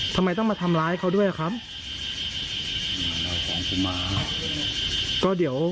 ทำไมต้องมาทำร้ายเขาด้วยอะครับ